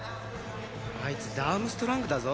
あいつダームストラングだぞ？